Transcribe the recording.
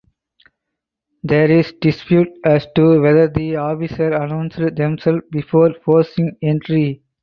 There is dispute as to whether the officers announced themselves before forcing entry.